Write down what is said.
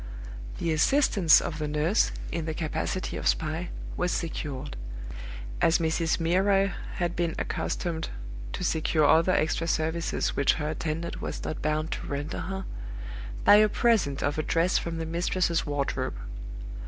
The assistance of the nurse, in the capacity of spy, was secured as Mrs. Milroy had been accustomed to secure other extra services which her attendant was not bound to render her by a present of a dress from the mistress's wardrobe.